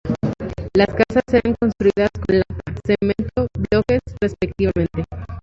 Las casas eran construidas con lata, cemento y bloques respectivamente.